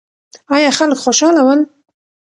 ایا خلک خوشاله ول؟